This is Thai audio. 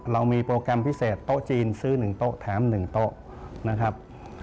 เรามีโปรแกรมพิเศษโต๊ะจีนซื้อ๑โต๊ะแถม๑โต๊ะนะครับ